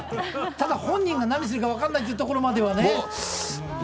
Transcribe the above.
ただ本人が何するか分かんないっていうところまではね。